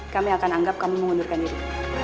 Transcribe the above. kami akan anggap kami mengundurkan diri